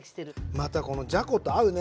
またこのじゃこと合うね。